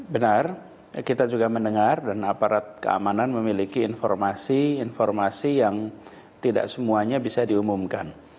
benar kita juga mendengar dan aparat keamanan memiliki informasi informasi yang tidak semuanya bisa diumumkan